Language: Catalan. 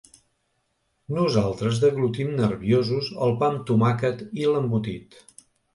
Nosaltres deglutim nerviosos el pa amb tomàquet i l'embotit.